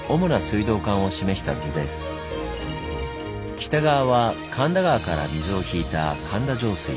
北側は神田川から水を引いた神田上水。